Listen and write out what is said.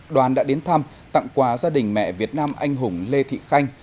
đoàn đã đến thăm tặng quà gia đình mẹ việt nam anh hùng lê thị khanh